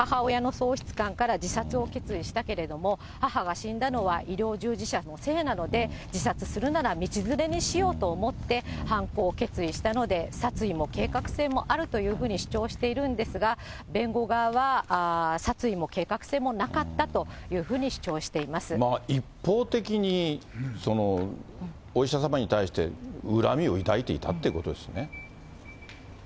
母親の喪失感から自殺を決意したけれども、母が死んだのは医療従事者のせいなので、自殺するなら道連れにしようと思って、犯行を決意したので、殺意も計画性もあるというふうに主張しているんですが、弁護側は、殺意も計画性もなかったというふうに主張してい一方的にお医者様に対して恨そうですね。